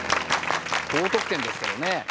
高得点ですけどね。